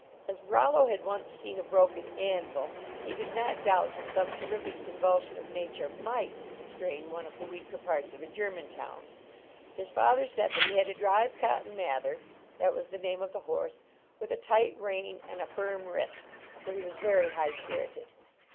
As Rollo had once seen a broken anvil, he did not doubt that some terrific convulsion of nature might strain one of the weaker parts of a German town. His father said that he had to drive Cotton Mather that was the name of the horse with a tight rein and a firm wrist, for he was very high spirited.